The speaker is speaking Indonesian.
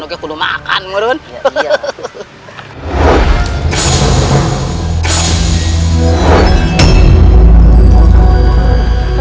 aku belum makan menurutmu